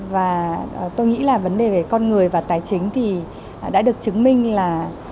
và tôi nghĩ là vấn đề về con người và tài chính thì đã được chứng minh là